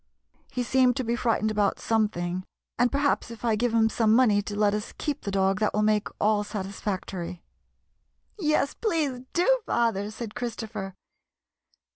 He seemed to be frightened about something, and perhaps if I give him some money to let us keep the dog that will make all satisfactory." "Yes, please, do, father/' said Christopher.